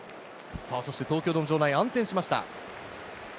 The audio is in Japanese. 東京ドーム場内、暗転しました。